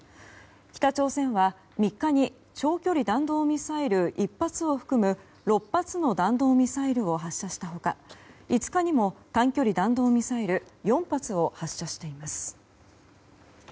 北朝鮮は３日に長距離弾道ミサイル１発を含む６発の弾道ミサイルを発射した他５日にも短距離弾道ミサイル４発を発射しています。